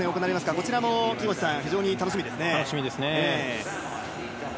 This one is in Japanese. こちらも木越さん楽しみですね。